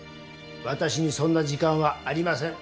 私にそんな時間はありません。